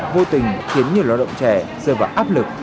vô tình khiến nhiều lao động trẻ rơi vào áp lực